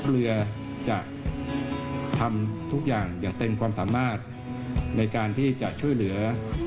เรือจะทำทุกอย่างอย่างเต็มความสามารถในการที่จะช่วยเหลือ